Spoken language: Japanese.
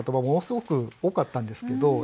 ものすごく多かったんですけど